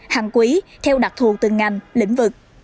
hàng quý theo đặc thù từng ngành lĩnh vực